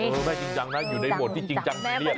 แม่จริงจังนะอยู่ในโหมดที่จริงจังซีเรียส